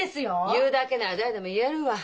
言うだけなら誰でも言えるわ。